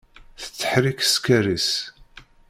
Tettḥerrik ssker-is.